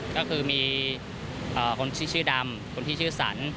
ก็คือมีคนชื่อดำคนที่ชื่อสรร